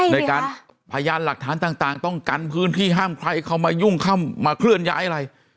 ในการพยานหลักฐานต่างต้องกันพื้นที่ห้ามใครเข้ามายุ่งเข้ามาเคลื่อนย้ายอะไร